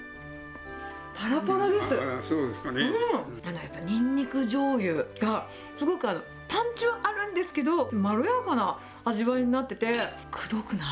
やっぱりニンニクじょうゆが、すごくパンチはあるんですけど、まろやかな味わいになってて、くどくない。